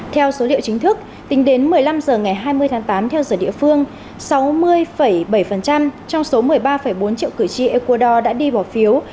theo số liệu chính thức tính đến một mươi năm h ngày hai mươi tháng tám theo giờ địa phương sáu mươi bảy trong số một mươi ba bốn triệu cử tri ecuador đã đi bỏ phiếu